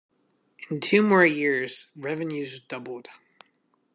In two more years revenues doubled.